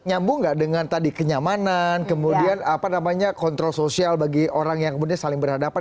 nyambung nggak dengan tadi kenyamanan kemudian apa namanya kontrol sosial bagi orang yang kemudian saling berhadapan